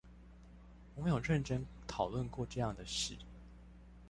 我們有認真討論過這樣的事